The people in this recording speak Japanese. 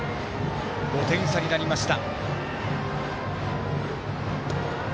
５点差になりました。